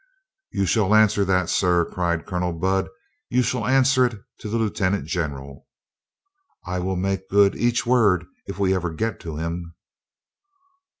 "You shall answer that, sir," cried Colonel Budd. "You shall answer it to the lieutenant general." "I will make good each word if we ever get to him."